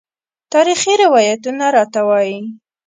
تاریخي روایتونه راته وايي.